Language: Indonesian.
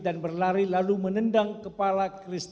dan berlari lalu menendang kepala